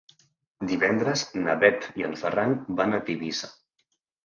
Divendres na Bet i en Ferran van a Tivissa.